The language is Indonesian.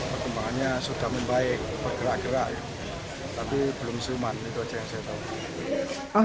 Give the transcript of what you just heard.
perkembangannya sudah membaik bergerak gerak tapi belum suman itu saja yang saya tahu